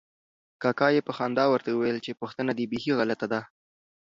کاکا یې په خندا ورته وویل چې پوښتنه دې بیخي غلطه ده.